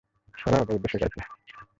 ওরা ওদের উদ্দেশ্যে গাইছে!